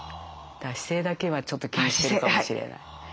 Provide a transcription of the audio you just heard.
姿勢だけはちょっと気にしてるかもしれない。